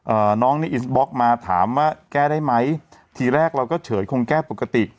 น้องนี่อินบล็อกมาถามว่าแก้ได้ไหมทีแรกเราก็เฉยคงแก้ปกติ